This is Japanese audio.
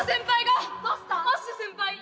アッシュ先輩が。